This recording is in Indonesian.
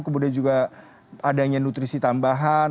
kemudian juga adanya nutrisi tambahan